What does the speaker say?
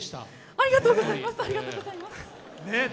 ありがとうございます！